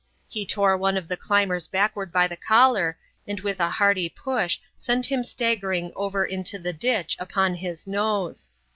He tore one of the climbers backward by the collar, and with a hearty push sent him staggering over into the ditch upon his nose.